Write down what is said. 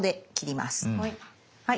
はい。